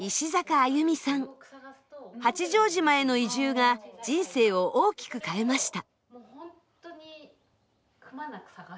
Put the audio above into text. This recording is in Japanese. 八丈島への移住が人生を大きく変えました。